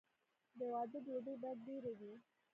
د واده ډوډۍ باید ډیره وي.